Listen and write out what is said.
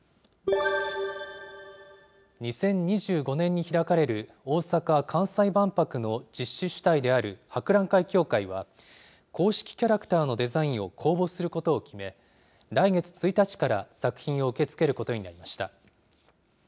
２０２５年に開かれる、大阪・関西万博の実施主体である博覧会協会は、公式キャラクターのデザインを公募することを決め、来月１日から作品を受け付けることになりました。